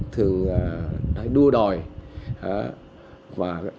thường đua đòi và tập làm người